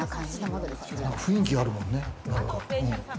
雰囲気あるもんね。